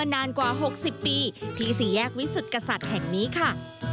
นานกว่า๖๐ปีที่สี่แยกวิสุทธิกษัตริย์แห่งนี้ค่ะ